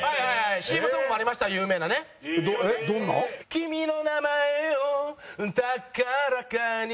「君の名前を高らかに」